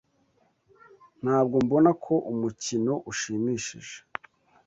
Ntabwo mbona ko umukino ushimishije.